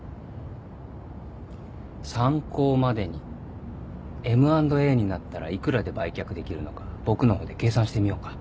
参考までにＭ＆Ａになったら幾らで売却できるのか僕の方で計算してみようか？